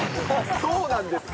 そうなんですか？